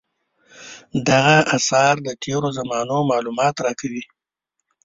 دغه اثار د تېرو زمانو معلومات راکوي.